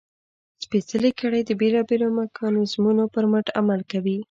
سپېڅلې کړۍ د بېلابېلو میکانیزمونو پر مټ عمل کوي.